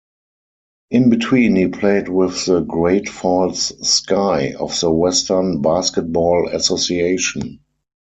In between, he played with the Great Falls Sky of the Western Basketball Association.